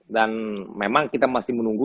dan memang kita masih menunggu